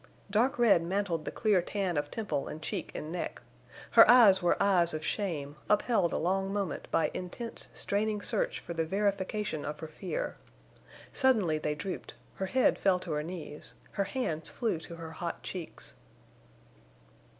Dark red mantled the clear tan of temple and cheek and neck. Her eyes were eyes of shame, upheld a long moment by intense, straining search for the verification of her fear. Suddenly they drooped, her head fell to her knees, her hands flew to her hot cheeks.